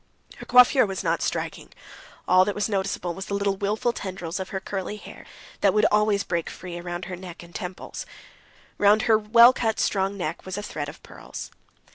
Her coiffure was not striking. All that was noticeable was the little wilful tendrils of her curly hair that would always break free about her neck and temples. Round her well cut, strong neck was a thread of pearls.